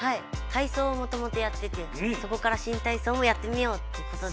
体操をもともとやっててそこから新体操もやってみようってことで。